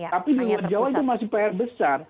tapi di luar jawa itu masih pr besar